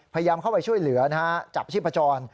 พยายามเข้าไปช่วยเหลือจับชิบประจร